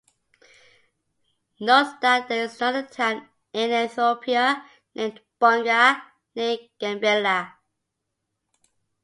Note that there is another town in Ethiopia named "Bonga", near Gambela.